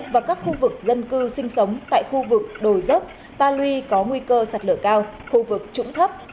và các khu vực dân cư sinh sống tại khu vực đồi rớt ta luy có nguy cơ sạt lở cao khu vực trũng thấp